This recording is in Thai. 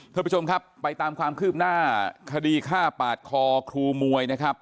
ท่านผู้ชมครับไปตามความคืบหน้าคดีฆ่าปาดคอครูมวยนะครับ